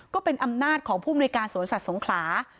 ก็เป็นอำนาจของผู้มนุยการสวนสัตว์สงขลา